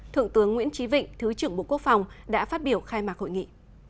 thượng tướng nguyễn trí vịnh thứ trưởng bộ quốc phòng đã phát biểu khai mạc hội nghị